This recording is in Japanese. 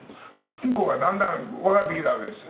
向こうはだんだん分かってきたわけですよ。